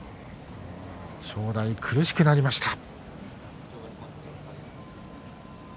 正代、苦しくなりました。